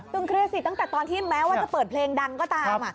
เครียดสิตั้งแต่ตอนที่แม้ว่าจะเปิดเพลงดังก็ตาม